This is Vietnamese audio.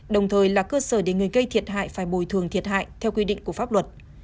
đồng thời là cơ sở để người gây thiệt hại phải bồi thường thiệt hại theo quy định của pháp luật